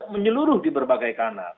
menyeluruh di berbagai kanal